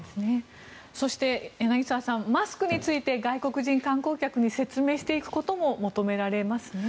そして柳澤さんマスクについて外国人観光客に説明していくことも求められますね。